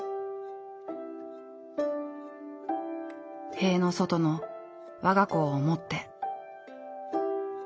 塀の外のわが子を思って。